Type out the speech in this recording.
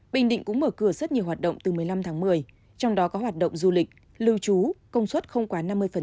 bình định cũng mở cửa rất nhiều hoạt động từ một mươi năm tháng một mươi trong đó có hoạt động du lịch lưu trú công suất không quá năm mươi